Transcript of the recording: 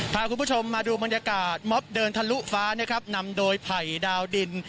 พาคุณผู้ชมมาดูบรรยากาศมอบเดินทะลุฟ้านะครับนำโดยไผ่ดาวดิน